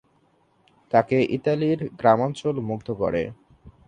তাকে ইতালির গ্রামাঞ্চল মুগ্ধ করে।